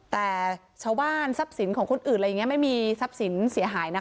แต่ชาวบ้านทรัพย์สินของคนอื่นอะไรอย่างนี้ไม่มีทรัพย์สินเสียหายนะคะ